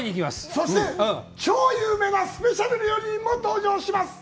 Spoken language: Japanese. そして、超有名なスペシャル料理人も登場します。